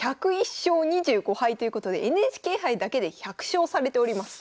１０１勝２５敗ということでＮＨＫ杯だけで１００勝されております。